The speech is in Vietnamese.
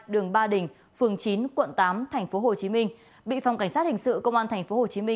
đường ba đình phường chín quận tám tp hcm bị phòng cảnh sát hình sự công an tp hcm